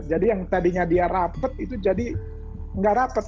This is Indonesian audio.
jadi yang tadinya dia rapet itu jadi nggak rapet